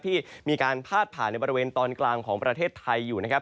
ที่มีการพาดผ่านในบริเวณตอนกลางของประเทศไทยอยู่นะครับ